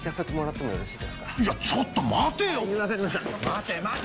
待て待て！